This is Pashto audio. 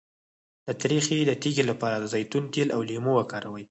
د تریخي د تیږې لپاره د زیتون تېل او لیمو وکاروئ